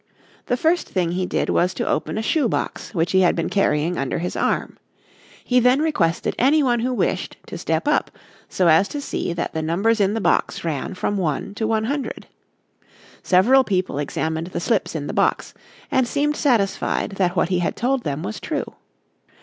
The first thing he did was to open a shoe box, which he had been carrying under his arm. He then requested anyone who wished to step up so as to see that the numbers in the box ran from 1 to 100. Several people examined the slips in the box and seemed satisfied that what he had told them was true.